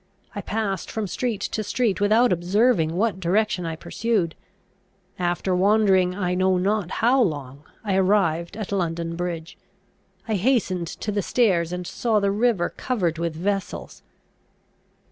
I passed from street to street without observing what direction I pursued. After wandering I know not how long, I arrived at London Bridge. I hastened to the stairs, and saw the river covered with vessels.